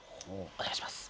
お願いします。